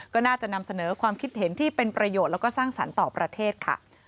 ก็น่าจะนำเสนอความคิดเห็นที่เป็นประโยชน์แล้วก็สร้างสรรค์ต่อประเทศค่ะ